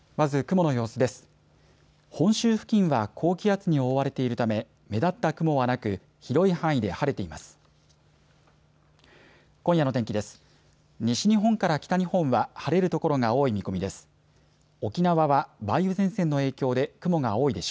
本州付近は高気圧に覆われているため目立った雲はなく広い範囲で晴れています。